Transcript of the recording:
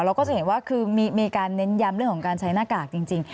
เราก็จะเห็นว่าคือมีการเน้นย้ำเรื่องของการใช้หน้ากากจริง